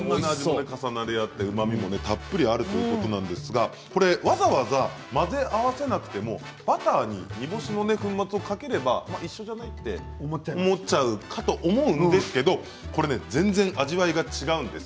うまみもたっぷりあるということですが、わざわざ混ぜ合わせなくてもバターに煮干しの粉末をかければ一緒だねと思っちゃうかと思うんですけれどこれ全然味わいが違うんです。